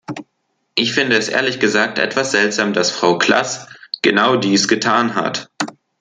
Ich finde es ehrlich gesagt etwas seltsam, dass Frau Klass genau dies getan hat.